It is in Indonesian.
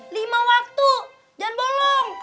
lima waktu dan bolong